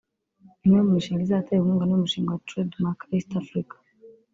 Imwe mu mishinga izaterwa inkunga n’uyu mushinga wa Trade mark East Africa